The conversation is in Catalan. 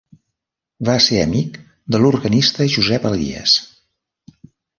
Va ser amic de l'organista Josep Elies.